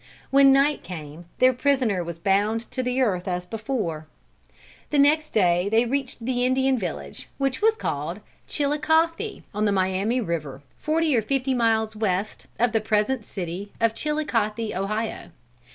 When night came, their prisoner was bound to the earth as before. The next day they reached the Indian village, which was called Chilicothe, on the Miami river, forty or fifty miles west of the present city of Chilicothe, Ohio.